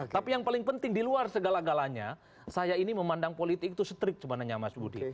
tapi yang paling penting di luar segala galanya saya ini memandang politik itu strik sebenarnya mas budi